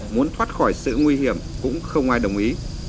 muốn thoát khỏi sự nguy hiểm cũng không ai đồng ý